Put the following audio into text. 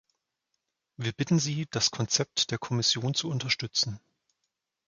Wir bitten sie, das Konzept der Kommission zu unterstützen.